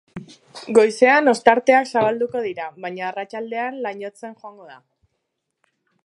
Goizean ostarteak zabalduko dira, baina arratsaldean lainotzen joango da.